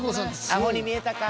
あほに見えたか。